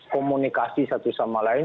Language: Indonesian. komunikasi satu sama lain